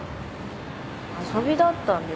遊びだったんですか？